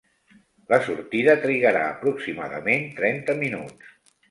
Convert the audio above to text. La sortida trigarà aproximadament trenta minuts.